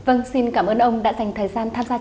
vâng xin cảm ơn ông đã dành thời gian tham gia chương trình